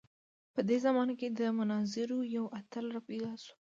په دې زمانه کې د مناظرو یو اتل راپیدا شو.